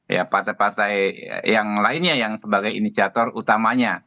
ya partai partai yang lainnya yang sebagai inisiator utamanya